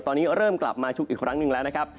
ตอนนี้เริ่มกลับมาชุกอีกครั้งหนึ่งแล้วนะครับ